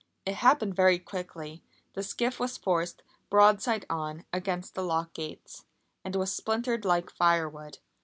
It happened very quickly. The skiff was forced, broadside on, against the lock gates, and was splintered like firewood.